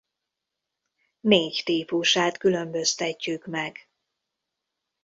Négy típusát különböztetjük meg.